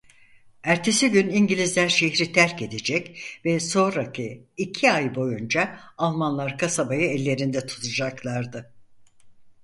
Ertesi gün İngilizler şehri terk edecek ve sonraki iki ay boyunca Almanlar kasabayı ellerinde tutacaklardı.